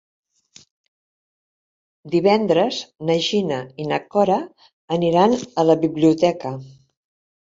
Divendres na Gina i na Cora aniran a la biblioteca.